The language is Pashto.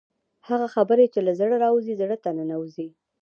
هغه خبرې چې له زړه راوځي زړه ته ننوځي.